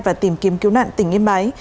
và tìm kiếm cứu nạn tỉnh yên bái